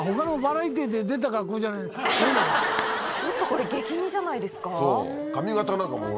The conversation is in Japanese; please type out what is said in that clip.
ちょっとこれ激似じゃないですか？